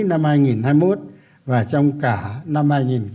cuối năm hai nghìn hai mươi một và trong cả năm hai nghìn hai mươi hai